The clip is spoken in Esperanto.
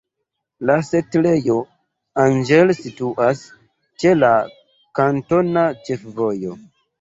La setlejo Angel situas ĉe la kantona ĉefvojo.